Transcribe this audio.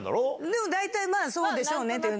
でも大体、まあそうでしょうねっていう。